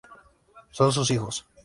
Son sus hijos.